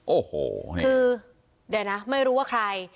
โอ้โหคือเดี๋ยวนะไม่รู้ว่าใคร